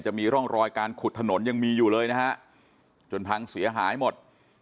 จะมีร่องรอยการขุดถนนยังมีอยู่เลยนะฮะจนพังเสียหายหมด